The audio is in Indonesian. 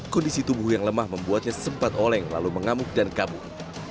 kondisi tubuh yang lemah membuatnya sempat oleng lalu mengamuk dan kabur